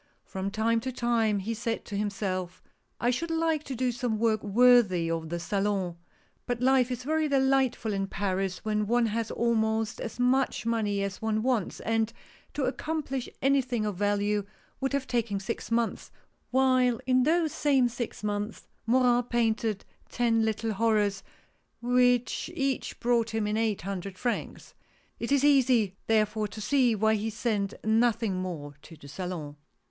From time to time he said to himself: " I should like to do some work worthy of the Salon ;" but life is very delightful in Paris when one has almost as much money as one wants ; and to accomplish any thing of value would have taken six months, while in those same six months Morin painted ten little horrors, which each brought him in eight hundred francs. It is easy, therefore, to see why he sent nothing more to the Salon.